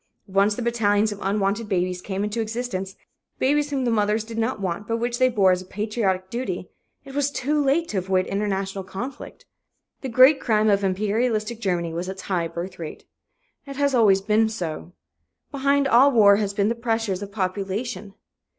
Once the battalions of unwanted babies came into existence babies whom the mothers did not want but which they bore as a "patriotic duty" it was too late to avoid international conflict. The great crime of imperialistic Germany was its high birth rate. It has always been so. Behind all war has been the pressure of population.